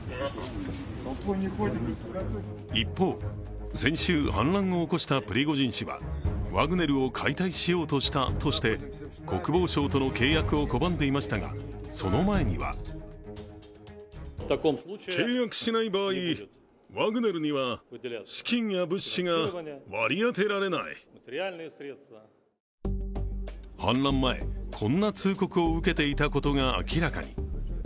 一方、先週反乱を起こしたプリゴジン氏は、ワグネルを解体しようとしたとして国防省との契約を拒んでいましたが、その前には反乱前、こんな通告を受けていたことが明らかに。